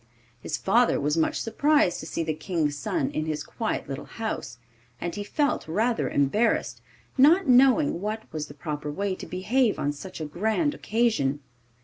His father was much surprised to see the King's son in his quiet little house, and he felt rather embarrassed, not knowing what was the proper way to behave on such a grand occasion.